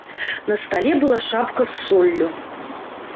На стале была шапка з соллю.